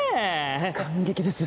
感激です